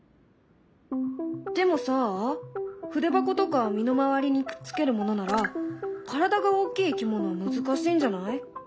でもさ筆箱とか身の回りにくっつけるものなら体が大きいいきものは難しいんじゃない？